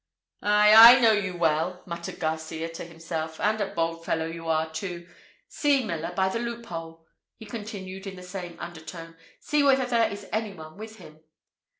"Ay, I know you well!" muttered Garcias to himself, "and a bold fellow you are too. See, miller, by the loop hole," he continued in the same under tone, "see whether there is any one with him?"